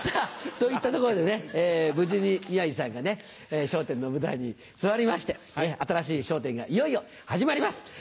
といったところで無事に宮治さんがね『笑点』の舞台に座りまして新しい『笑点』がいよいよ始まります！